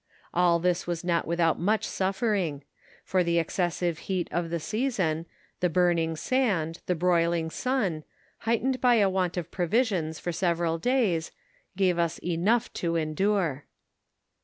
All this was not without much suffering ; for the excessive heat of the season, the burning Band, the broiling sun, heightened by a want of provisions foi several days, gave us enough to endure.